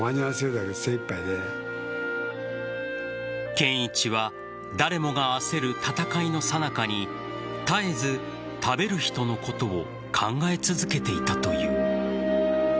建一は誰もが焦る戦いのさなかに絶えず、食べる人のことを考え続けていたという。